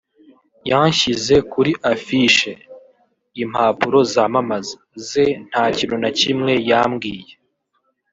“Yanshyize kuri affiche(impapuro zamamaza) ze nta kintu na kimwe yambwiye